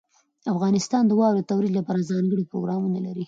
افغانستان د واورې د ترویج لپاره ځانګړي پروګرامونه لري.